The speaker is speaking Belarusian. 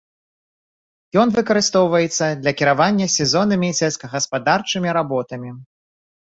Ён выкарыстоўваецца для кіравання сезоннымі сельскагаспадарчымі работамі.